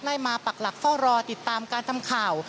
ได้มาปักหลักเฝ้ารอติดตามการทำข่าว